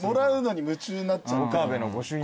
岡部の御朱印